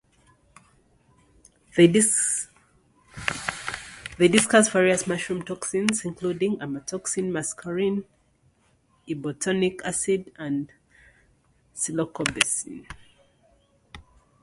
They discuss various mushroom toxins, including amatoxins, muscarine, ibotenic acid, and psilocybin.